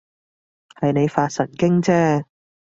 係你發神經啫